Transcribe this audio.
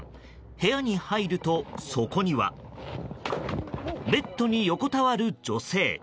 部屋に入ると、そこにはベッドに横たわる女性。